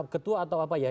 ketua atau apa ya